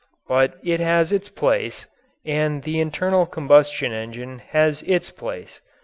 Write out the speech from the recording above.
But it has its place, and the internal combustion engine has its place.